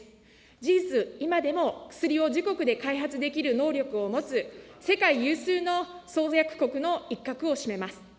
事実、今でも薬を自国で開発できる能力を持つ世界有数の創薬国の一角を占めます。